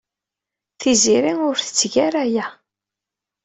Tiziri ur tetteg ara aya.